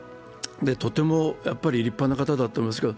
とても立派な方だったと思います。